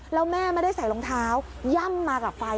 แล้วแม่ไม่ได้ใส่รองเท้าย่ำมากับไฟ